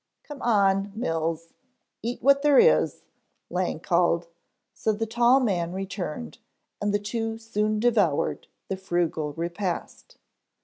"Come on, Mills, eat what there is," Lang called, so the tall man returned, and the two soon devoured the frugal repast.